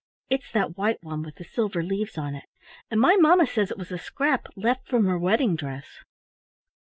It's that white one with the silver leaves on it, and my mamma says it was a scrap left from her wedding dress."